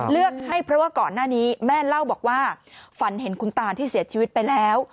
เลือกให้เพราะว่าก่อนหน้านี้แม่เล่าบอกว่าฝันเห็นคุณตาที่เสียชีวิตไปแล้ว